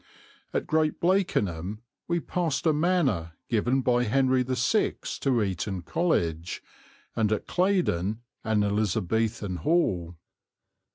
At Great Blakenham we passed a manor given by Henry VI to Eton College, and at Claydon an Elizabethan hall.